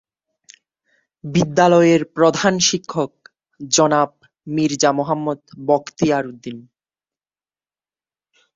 বিদ্যালয়ের প্রধান শিক্ষক জনাব মির্জা মোহাম্মদ বখতিয়ার উদ্দীন।